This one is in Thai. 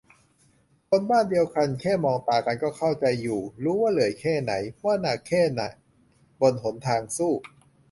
คนบ้านเดียวกัน แค่มองตากันก็เข้าใจอยู่ รู้ว่าเหนื่อยแค่ไหน ว่าหนักแค่ ไหนบนหนทางสู้